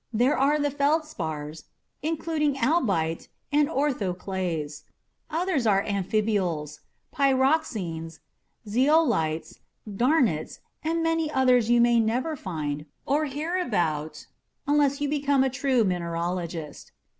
There are the feldspars, including albite and orthoclase. Others are amphiboles, pyroxenes, zeolites, garnets and many others you may never find or hear about unless you become a true mineralogist.